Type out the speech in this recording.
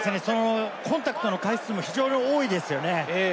コンタクトの回数も非常に多いですよね。